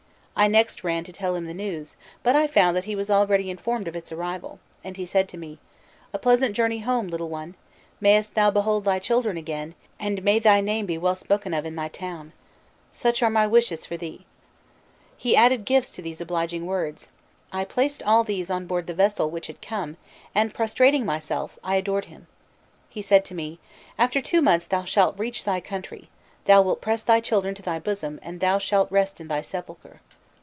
I next ran to tell him the news, but I found that he was already informed of its arrival, and he said to me: 'A pleasant journey home, little one; mayst thou behold thy children again, and may thy name be well spoken of in thy town; such are my wishes for thee!' He added gifts to these obliging words. I placed all these on board the vessel which had come, and prostrating myself, I adored him. He said to me: 'After two months thou shalt reach thy country, thou wilt press thy children to thy bosom, and thou shalt rest in thy sepulchre.